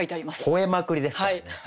「吠えまくり」ですからね。